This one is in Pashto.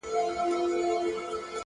وخت د ژمنتیا ازموینه کوي!